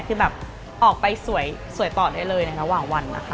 คือแบบออกไปสวยต่อได้เลยในระหว่างวันนะคะ